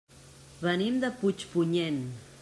Venim de Puigpunyent.